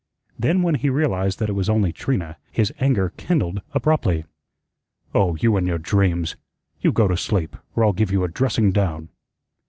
Then when he realized that it was only Trina, his anger kindled abruptly. "Oh, you and your dreams! You go to sleep, or I'll give you a dressing down."